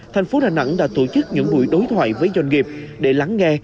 thành phố đà nẵng đã tổ chức những buổi đối thoại với doanh nghiệp để lắng nghe